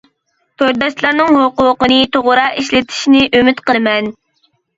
تورداشلارنىڭ ھوقۇقىنى توغرا ئىشلىتىشىنى ئۈمىد قىلىمەن!